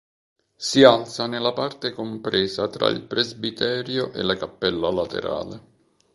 Si alza nella parte compresa tra il presbiterio e la cappella laterale.